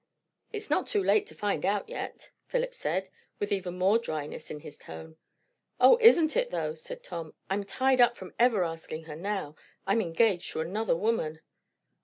"It is not too late to find out yet," Philip said, with even more dryness in his tone. "O, isn't it, though!" said Tom. "I'm tied up from ever asking her now. I'm engaged to another woman."